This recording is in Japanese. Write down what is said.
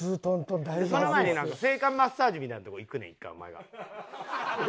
その前になんか性感マッサージみたいなとこ行くねん１回お前が。